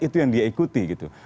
itu yang dia ikuti gitu